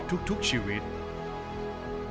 เพราะทุกชีวิตที่คุณรัก